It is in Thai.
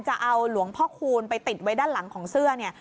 จะเอาหลวงพ่อคูณไปติดไว้ด้านหลังของเสื้อเนี่ย